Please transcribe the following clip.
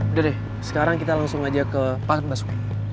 udah deh sekarang kita langsung aja ke pak basuki